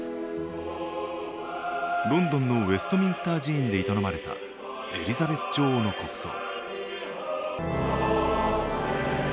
ロンドンのウェストミンスター寺院で営まれたエリザベス女王の国葬。